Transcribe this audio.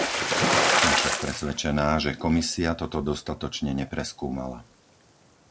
Som však presvedčená, že Komisia toto dostatočne nepreskúmala.